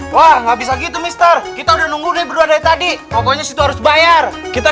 wah nggak bisa gitu mister kita udah nunggu dari berdua dari tadi pokoknya situ harus bayar kita